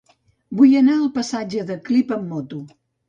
Vull anar al passatge de Clip amb moto.